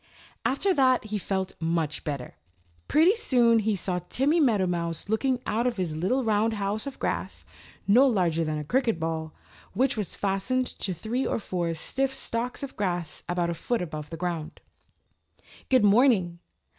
After that he felt much better. Pretty soon he saw Timmy Meadowmouse looking out of his little round house of grass, no larger than a cricket ball, which was fastened to three or four stiff stalks of grass about a foot above the ground. "Good morning.